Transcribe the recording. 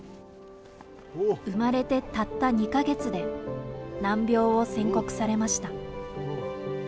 生まれてたった２か月で、難病を宣告されました。